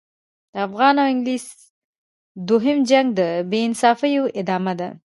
د افغان او انګلیس دوهم جنګ د بې انصافیو ادامه ده.